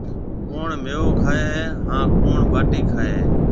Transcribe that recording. ڪوُڻ ميوو کائي هيَ هانَ ڪوُڻ ٻاٽِي کائي هيَ؟